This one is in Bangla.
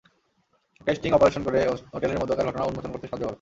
একটা স্টিং অপারেশন করে হোটেলের মধ্যকার ঘটনা উন্মোচন করতে সাহায্য কর।